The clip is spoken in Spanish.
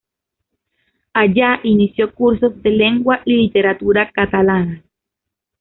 Allá inició cursos de lengua y literatura catalanas.